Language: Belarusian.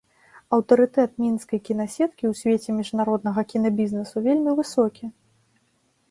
Аўтарытэт мінскай кінасеткі ў свеце міжнароднага кінабізнэсу вельмі высокі.